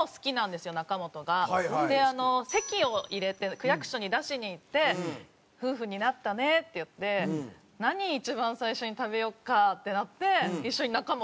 籍を入れて区役所に出しに行って「夫婦になったね」って言って「何一番最初に食べようか」ってなって一緒に中本行って。